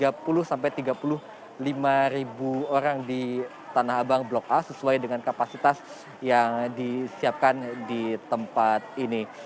jadi kita sudah mencapai lebih dari tiga puluh orang di tanah abang blok a sesuai dengan kapasitas yang disiapkan di tempat ini